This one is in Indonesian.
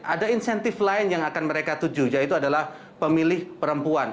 ada insentif lain yang akan mereka tuju yaitu adalah pemilih perempuan